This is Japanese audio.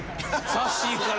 さっしーから。